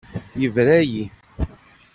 Yebra-yi.